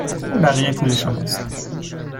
این بقیه پول شما است.